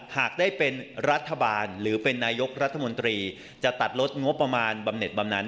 หากได้เป็นรัฐบาลหรือเป็นนายกรัฐมนตรีจะตัดลดงบประมาณบำเน็ตบำนาน